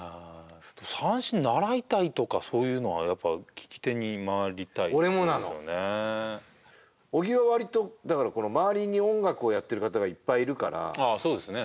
三線習いたいとかそういうのはやっぱ聴き手に回りたい俺もなの小木はわりと周りに音楽をやってる方がいっぱいいるからそうですね